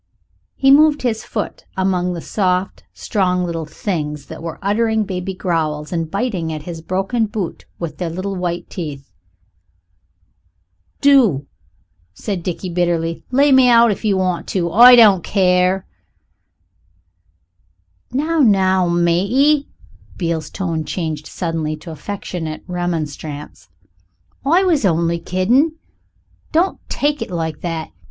He moved his foot among the soft, strong little things that were uttering baby growls and biting at his broken boot with their little white teeth. "Do," said Dickie bitterly, "lay me out if you want to. I don't care." "Now, now, matey" Beale's tone changed suddenly to affectionate remonstrance "I was only kiddin'. Don't take it like that.